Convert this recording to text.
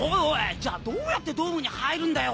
じゃあどうやってドームに入るんだよ！？